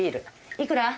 いくら？